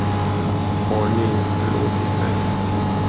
Har ni förlåtit mig?